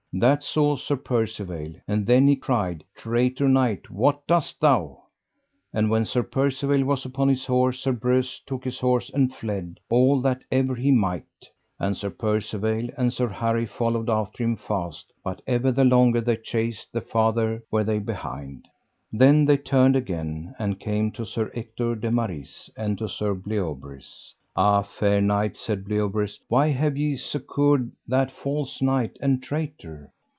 That saw Sir Percivale, and then he cried: Traitor knight what dost thou? And when Sir Percivale was upon his horse Sir Breuse took his horse and fled all that ever he might, and Sir Percivale and Sir Harry followed after him fast, but ever the longer they chased the farther were they behind. Then they turned again and came to Sir Ector de Maris and to Sir Bleoberis. Ah, fair knights, said Bleoberis, why have ye succoured that false knight and traitor?